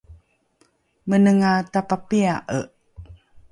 menenga tapapia’e